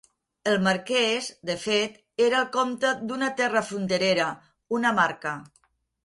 El marquès, de fet, era el comte d'una terra fronterera, una marca.